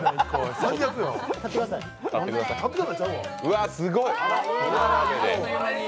わすごい。